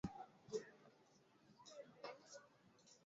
La unua mondmilito diversmaniere influis la Esperanton-movadon.